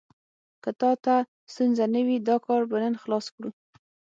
که تا ته ستونزه نه وي، دا کار به نن خلاص کړو.